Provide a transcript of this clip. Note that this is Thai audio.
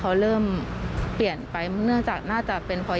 ความโหโชคดีมากที่วันนั้นไม่ถูกในไอซ์แล้วเธอเคยสัมผัสมาแล้วว่าค